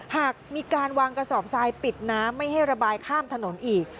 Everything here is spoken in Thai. หากมีการวางกระสอบทรายปิดน้ำไม่ให้ระบายข้ามถนนอีก